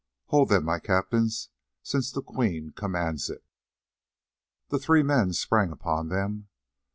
Hold them, my captains, since the Queen commands it." Then the three men sprang upon them.